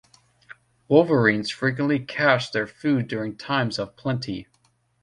Wolverines frequently cache their food during times of plenty.